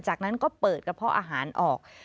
จากนั้นก็เปิดกระเพาะอาหารออก